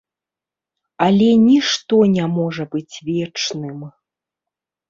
Але нішто не можа быць вечным.